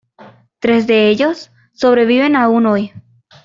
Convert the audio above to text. Tres de ellos sobreviven aún hoy.